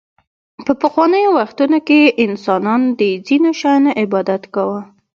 په پخوانیو وختونو کې انسانانو د ځینو شیانو عبادت کاوه